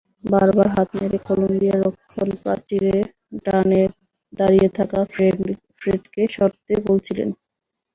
বারবার হাত নেড়ে কলম্বিয়ার রক্ষণপ্রাচীরের ডানে দাঁড়িয়ে থাকা ফ্রেডকে সরতে বলছিলেন।